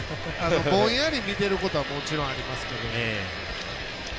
ぼんやり見てることはもちろんありますけど。